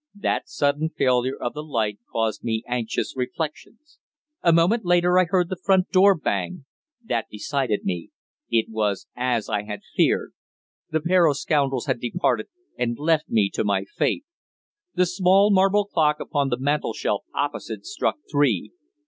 That sudden failure of the light caused me anxious reflections. A moment later I heard the front door bang. That decided me. It was as I had feared. The pair of scoundrels had departed and left me to my fate. The small marble clock upon the mantelshelf opposite struck three.